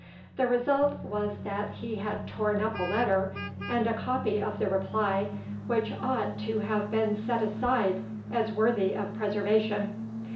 The result was that he had torn up a letter, and a copy of the reply, which ought to have been set aside as worthy of preservation.